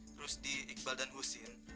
terus di iqbal dan husin